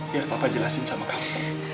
biar papa jelasin sama kamu